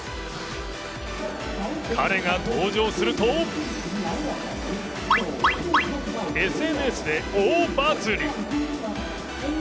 彼が登場するとＳＮＳで大バズり。